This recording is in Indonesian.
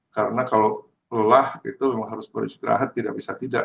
karena kalau lelah itu harus beristirahat tidak bisa tidak